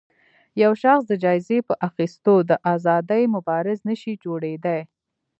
يو شخص د جايزې په اخیستو د ازادۍ مبارز نه شي جوړېدای